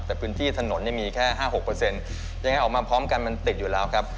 แต่พื้นที่ถนนเนี่ยมีแค่๕๖ยังไงออกมาพร้อมกันมันติดอยู่แล้วครับ